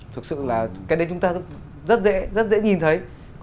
thực sự là cái đấy chúng ta rất dễ nhìn thấy